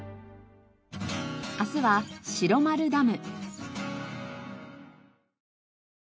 明日は白丸ダム。